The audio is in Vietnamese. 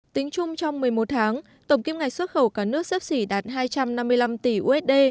tính chung trong một mươi một tháng tổng kim ngạch xuất khẩu cả nước xếp xỉ đạt hai trăm năm mươi năm tỷ usd